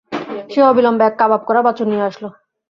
সে অবিলম্বে এক কাবাব করা বাছুর নিয়ে আসল।